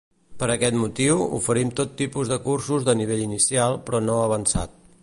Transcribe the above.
Per aquest motiu, oferim tot tipus de cursos de nivell inicial, però no avançat.